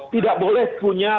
tidak boleh punya